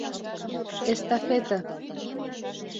Эстафете